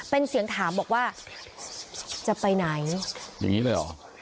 เป็นเสียงถามบอกว่าจะไปไหนอย่างนี้เลยเหรอ